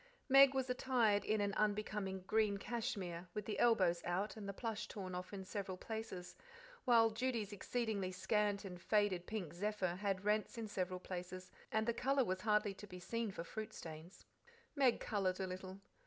Meg was attired in an unbecoming green cashmere, with the elbows out and the plush torn off in several places, while Judy's exceedingly scant and faded pink zephyr had rents in several places, and the colour was hardly to be seen for fruit stains. Meg coloured a little.